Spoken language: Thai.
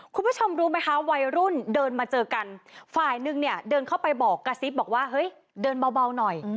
คุณผู้ชมรู้ไหมคะวัยรุ่นเดินมาเจอกันฝ่ายนึงเนี่ยเดินเข้าไปบอกกระซิบบอกว่าเฮ้ยเดินเบาหน่อย